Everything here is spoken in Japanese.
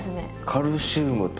カルシウムと。